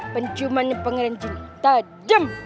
pencuman pengeranjin tajam